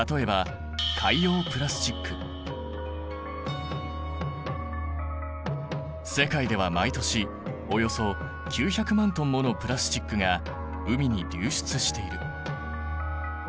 例えば世界では毎年およそ９００万トンものプラスチックが海に流出している。